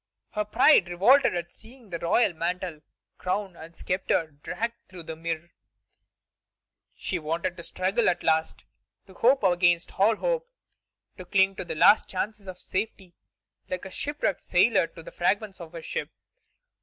Her pride revolted at seeing the royal mantle, crown, and sceptre dragged through the mire. She wanted to struggle to the last, to hope against all hope, to cling to the last chances of safety like a shipwrecked sailor to the fragments of his ship.